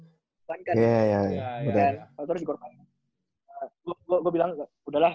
gue bilang udahlah gue gak ambil u empat gue ambil uph dari situ kayak gue tes tuh disitu akhirnya gue kayak